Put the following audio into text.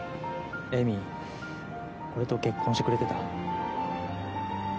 絵美、俺と結婚してくれてた？